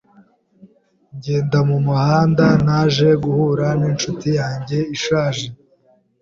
Ngenda mu muhanda, naje guhura n'inshuti yanjye ishaje.